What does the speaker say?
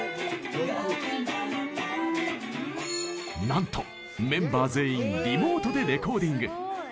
なんとメンバー全員リモートでレコーディング。